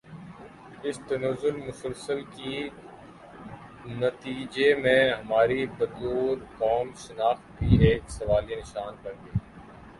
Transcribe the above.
اس تنزل مسلسل کے نتیجے میں ہماری بطور قوم شناخت بھی ایک سوالیہ نشان بن گئی